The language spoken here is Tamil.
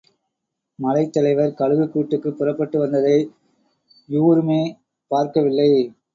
மலைத்தலைவர் கழுகுக் கூட்டுக்குப் புறப்பட்டு வந்ததை யூாருமே பார்க்கவில்லை.